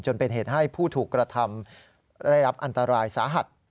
เป็นเหตุให้ผู้ถูกกระทำได้รับอันตรายสาหัส